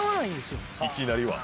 いきなりは。